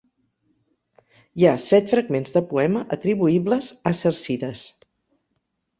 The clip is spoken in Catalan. Hi ha set fragments de poema atribuïbles a Cercidas.